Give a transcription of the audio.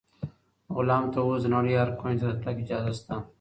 غلام ته اوس د نړۍ هر کونج ته د تګ اجازه شته.